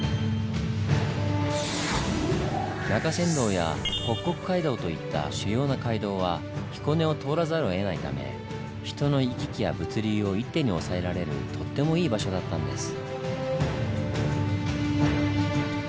中山道や北国街道といった主要な街道は彦根を通らざるをえないため人の行き来や物流を一手に押さえられるとってもイイ場所だったんです。